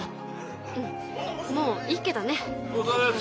うんもういいけどね。